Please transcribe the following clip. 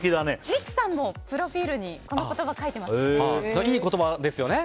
ミツさんもプロフィールにこの言葉書いてますよね。